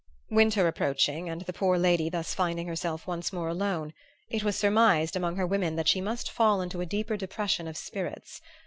"Winter approaching, and the poor lady thus finding herself once more alone, it was surmised among her women that she must fall into a deeper depression of spirits.